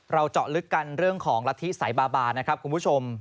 เจาะลึกกันเรื่องของละทิสายบาบานะครับคุณผู้ชม